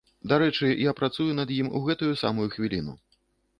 Дарэчы, я працую над ім у гэтую самую хвіліну.